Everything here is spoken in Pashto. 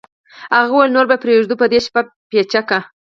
هغه وویل نوره به پرېږدو په دې شپه پیچکه